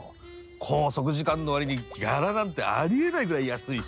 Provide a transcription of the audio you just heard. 拘束時間の割にギャラなんてありえないぐらい安いし。